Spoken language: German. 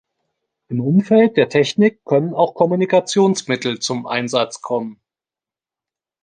Im Umfeld der Technik können auch Kommunikationsmittel zum Einsatz kommen.